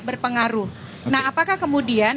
berpengaruh nah apakah kemudian